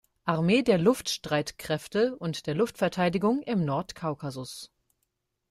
Armee der Luftstreitkräfte und der Luftverteidigung im Nordkaukasus.